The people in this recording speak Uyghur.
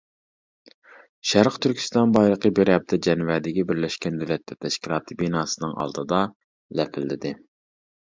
شەرقىي تۈركىستان بايرىقى بىر ھەپتە جەنۋەدىكى بىرلەشكەن دۆلەتلەر تەشكىلاتى بىناسىنىڭ ئالدىدا لەپىلدىدى.